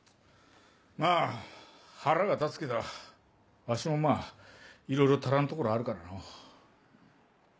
まぁ腹が立つけどわしもまぁいろいろ足らんところあるからのう。